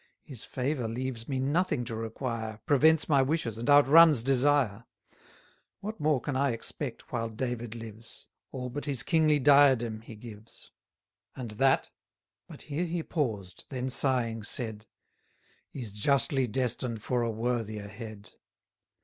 His favour leaves me nothing to require, Prevents my wishes, and outruns desire. What more can I expect while David lives? All but his kingly diadem he gives: And that But here he paused; then, sighing, said Is justly destined for a worthier head.